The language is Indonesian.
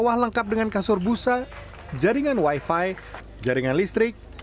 sawah lengkap dengan kasur busa jaringan wifi jaringan listrik